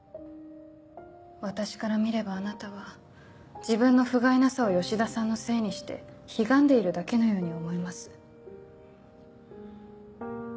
私から見ればあなたは自分のふがいなさを吉田さんのせいにしてひがんでいるだけのように思います。